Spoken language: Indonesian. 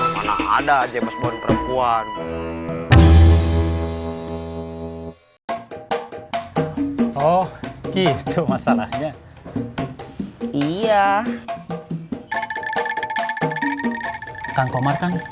mana ada james bond perbuatan